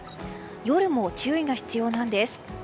夜も注意が必要なんです。